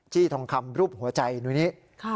จี้ทองคำรูปหัวใจตรงนี้